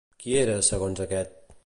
Qui era, segons aquest?